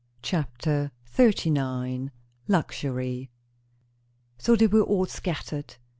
CHAPTER XXXIX. LUXURY. So they were all scattered.